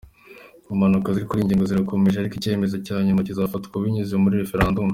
Impaka kuri iyi ngingo zirakomeje ariko icyemezo cya nyuma kizafatwa binyuze muri referendum.